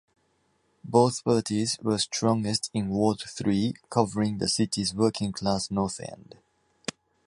Both parties were strongest in Ward Three, covering the city's working-class north end.